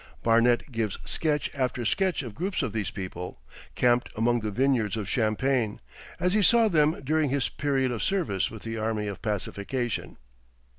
Barnet gives sketch after sketch of groups of these people, camped among the vineyards of Champagne, as he saw them during his period of service with the army of pacification.